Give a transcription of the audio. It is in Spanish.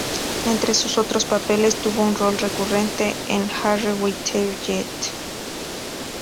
Entre sus otros papeles tuvo un rol recurrente en "Are We There Yet?